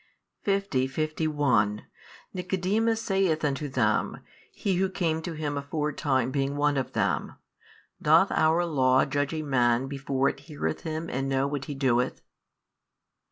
50, 51 Nicodemus saith unto them, he who came to him aforetime 11, being one of them, Doth our law judge a man before it heareth him and know what he doeth?